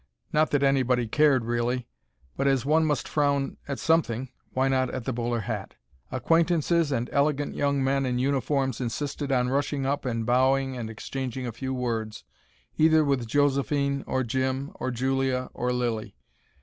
Not that anybody cared, really. But as one must frown at something, why not at the bowler hat? Acquaintances and elegant young men in uniforms insisted on rushing up and bowing and exchanging a few words, either with Josephine, or Jim, or Julia, or Lilly.